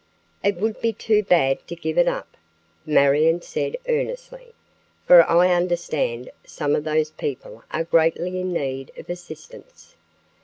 "It would be too bad to give it up," Marion said earnestly, "for I understand some of those people are greatly in need of assistance.